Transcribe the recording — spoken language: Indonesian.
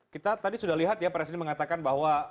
kita tadi sudah lihat ya presiden mengatakan bahwa